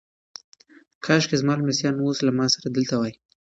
کاشکي زما لمسیان اوس له ما سره دلته وای.